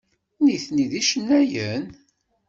Nitni d icennayen?